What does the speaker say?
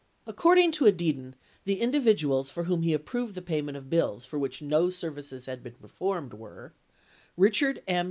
According to Edidin, the individuals for whom he approved the payment of bills for which no services had been per formed were : Amount of Richard M.